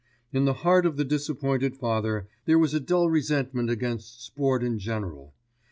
In the heart of the disappointed father there was a dull resentment against sport in general.